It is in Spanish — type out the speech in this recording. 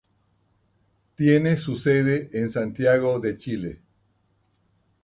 Tiene su sede en Santiago de Chile.